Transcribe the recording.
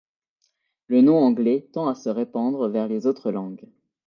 Le nom anglais tend à se répandre vers les autres langues.